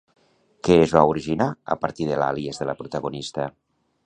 Què es va originar a partir de l'àlies de la protagonista?